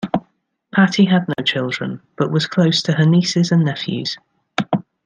Patti had no children, but was close to her nieces and nephews.